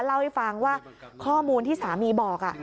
เล่าให้ฟังว่าข้อมูลที่สามีบอก